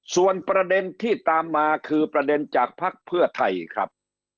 ส่วนประเด็นที่ตามมาคือประเด็นจากภักดิ์เพื่อไทยครับ